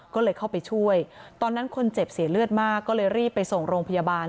ก็เลยเข้าไปช่วยตอนนั้นคนเจ็บเสียเลือดมากก็เลยรีบไปส่งโรงพยาบาล